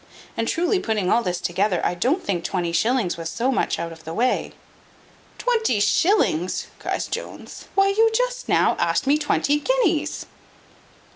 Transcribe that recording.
And truly, putting all this together, I don't think twenty shillings was so much out of the way." "Twenty shillings!" cries Jones; "why, you just now asked me twenty guineas."